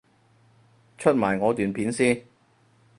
出埋我段片先